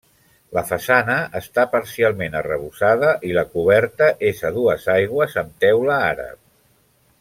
La façana està parcialment arrebossada i la coberta és a dues aigües amb teula àrab.